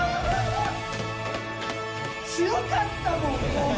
強かったもん！